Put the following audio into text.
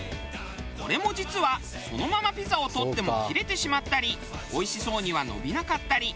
これも実はそのままピザを撮っても切れてしまったりおいしそうには伸びなかったり。